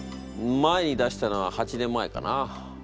前に出したのは８年前かな。